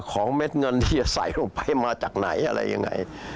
ของเม็ดเงินที่จะใส่ออกไปมาจากไหนอะไรอย่างไร